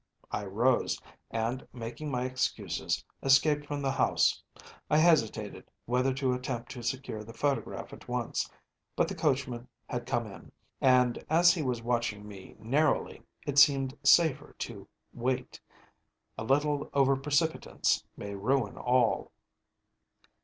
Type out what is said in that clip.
I rose, and, making my excuses, escaped from the house. I hesitated whether to attempt to secure the photograph at once; but the coachman had come in, and as he was watching me narrowly, it seemed safer to wait. A little over precipitance may ruin all.